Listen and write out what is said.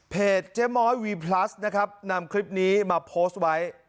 เจ๊ม้อยวีพลัสนะครับนำคลิปนี้มาโพสต์ไว้